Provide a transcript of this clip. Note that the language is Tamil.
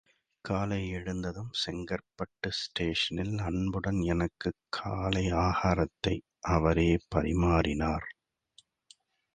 காலை எழுந்ததும் செங்கற்பட்டு ஸ்டேஷனில் அன்புடன் எனக்குக் காலை ஆகாரத்தை அவரே பரிமாறினார்.